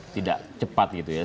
tidak cepat gitu ya